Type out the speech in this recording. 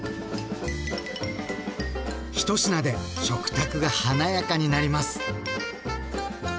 １品で食卓が華やかになります。